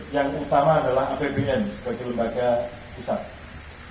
yang utama adalah apbn sebagai lembaga pusat